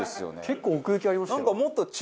結構奥行きありましたよ。